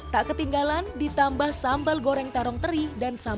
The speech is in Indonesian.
tak ketinggalan ditambah sambal goreng tarong teri dan sambal